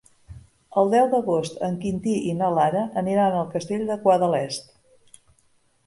El deu d'agost en Quintí i na Lara aniran al Castell de Guadalest.